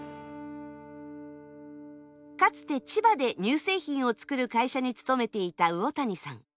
かつて千葉で乳製品を作る会社に勤めていた魚谷さん。